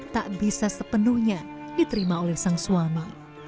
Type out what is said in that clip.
tak bisa sepenuhnya diterima oleh sang suami